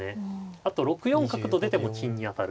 あと６四角と出ても金に当たる。